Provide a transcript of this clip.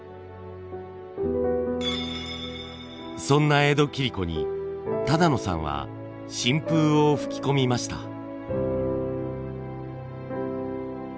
そんな江戸切子に但野さんは新風を吹き込みました。